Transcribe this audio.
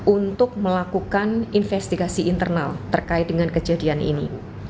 untuk melakukan investigasi internal terkait dengan kejadian ini